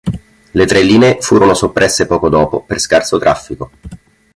Le tre linee furono soppresse poco dopo per scarso traffico.